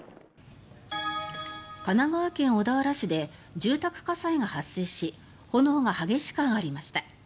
神奈川県小田原市で住宅火災が発生し炎が激しく上がりました。